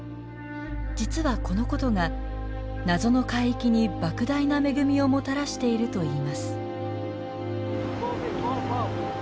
実はこのことが謎の海域にばく大な恵みをもたらしているといいます。